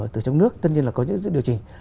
từ trong nước tất nhiên là có những sự điều chỉnh